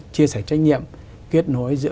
chia sẻ trách nhiệm kết nối giữa